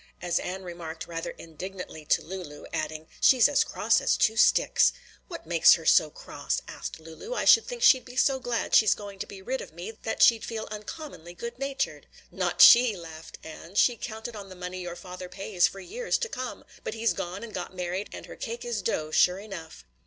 As Ann remarked rather indignantly to Lulu, adding, "She's as cross as two sticks." "What makes her so cross?" asked Lulu. "I should think she'd be so glad she's going to be rid of me that she'd feel uncommonly good natured." "Not she!" laughed Ann, "she counted on the money your father pays for years to come; but he's gone and got married and her cake is dough sure enough."